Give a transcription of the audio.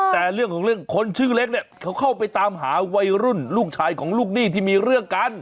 แต่เรื่องของเรื่องคนชื่อเล็กเนี่ยเขาเข้าไปตามหาวัยรุ่นลูกชายของลูกหนี้ที่มีเรื่องกัน